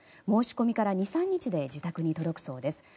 申し込みから２３日で自宅に届くそうです。